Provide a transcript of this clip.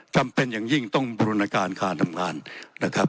จำเป็นอย่างยิ่งต้องบูรณการการทำงานนะครับ